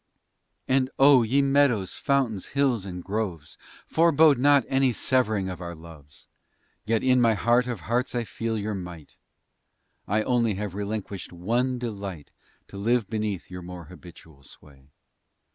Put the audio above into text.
And oh ye Fountains, Meadows, Hills, and Groves, Forebode not any severing of our loves! Yet in my heart of hearts I feel your might; I only have relinquish'd one delight To live beneath your more habitual sway.